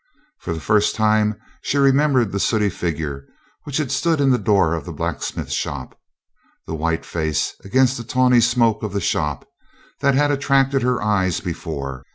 For the first time she remembered the sooty figure which had stood in the door of the blacksmith shop. The white face against the tawny smoke of the shop; that had attracted her eyes before.